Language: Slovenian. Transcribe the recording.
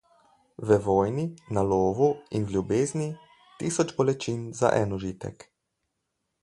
V vojni, na lovu in v ljubezni - tisoč bolečin za en užitek.